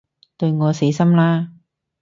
對我死心啦